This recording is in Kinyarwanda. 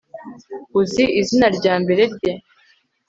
Uzi izina ryambere rye